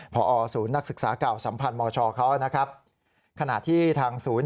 พอศูนย์นักศึกษาเก่าสัมพันธ์มชเขานะครับขณะที่ทางศูนย์